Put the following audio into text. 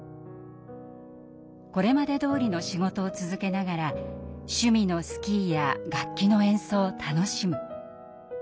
これまでどおりの仕事を続けながら趣味のスキーや楽器の演奏を楽しむ。